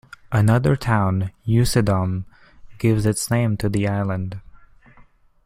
Another town, Usedom, gives its name to the island.